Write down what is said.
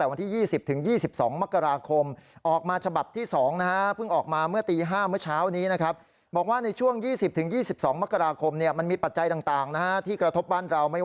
มีผลกระทบตั้งแต่วันที่๒๐๒๒มกราคม